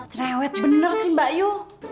cerewet bener sih mbak yu